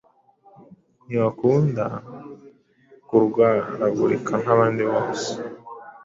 ntibakunda kurwaragurika nkabandi bose